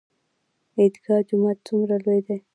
عیدګاه جومات څومره لوی دی؟